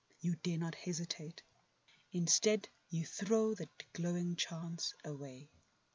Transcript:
You dare not hesitate; instead you throw that glowing chance away.